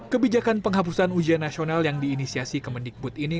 kebijakan penghapusan ujian nasional yang diinisiasi ke mendikbud ini